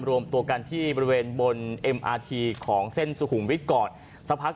รวมตัวกันที่บริเวณบนเอ็มอาทีของเส้นสุขุมวิทย์ก่อนสักพัก